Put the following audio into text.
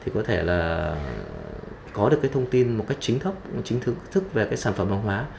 có thể có được thông tin một cách chính thức về sản phẩm hóa